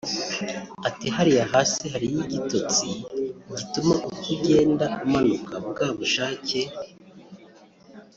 Ati” Hariya hasi hariyo igitotsi gituma uko ugenda umanuka bwa bushake